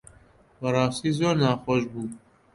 بەڕاستی زۆر ناخۆش بوو.